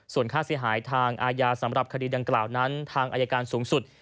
ส่วนค่าเสียหายทางอาญาสำหรับคดีดังกล่าวนั้นทางอายการสูงสุด